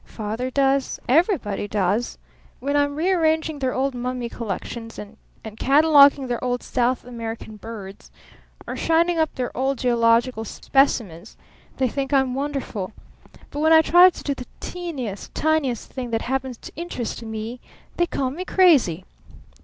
Father does! Everybody does! When I'm rearranging their old mummy collections and cataloguing their old South American birds or shining up their old geological specimens they think I'm wonderful. But when I try to do the teeniest tiniest thing that happens to interest me they call me 'crazy'!